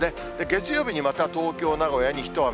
月曜日にまた東京、名古屋に一雨